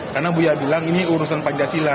karena bu ya bilang ini urusan pancasila